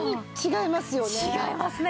違いますね